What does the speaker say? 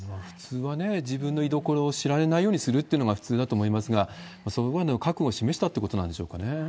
普通はね、自分の居所を知られないようにするっていうのが普通だと思いますが、それぐらいの覚悟を示したということなんでしょうかね。